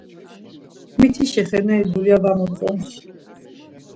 Mitişi xeneri dulya var motzons.